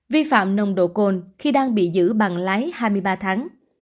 vi phạm nồng độ cồn khi đang bị giữ bằng lái hai mươi ba tháng